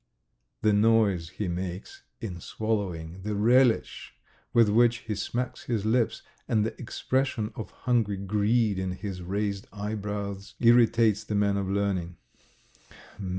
... The noise he makes in swallowing, the relish with which he smacks his lips, and the expression of hungry greed in his raised eyebrows irritate the man of learning.